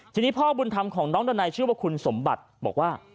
ทีนี้พ่อบุญธรรมของน้องดันัยชื่อว่าคุณสมบัติบอกว่า